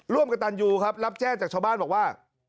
ร่วมกับตันยูครับรับแจ้งจากชาวบ้านบอกว่า